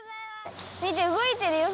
見てうごいてるよ